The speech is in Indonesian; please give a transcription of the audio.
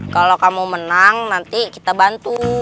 kalau kamu menang nanti kita bantu